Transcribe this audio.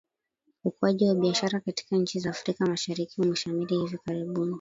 Ukuaji wa Biashara katika nchi za Afrika mashariki umeshamiri hivi karibuni.